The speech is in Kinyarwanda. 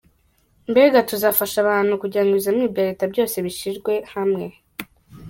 Mbega tuzafasha abantu kugira ngo ibizami bya Leta byose bishyirwe hamwe.